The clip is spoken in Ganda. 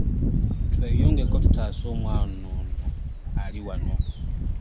Tweyungeko tutaase omwana ono ali wano.